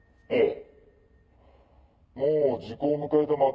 ええ。